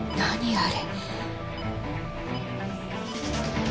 あれ。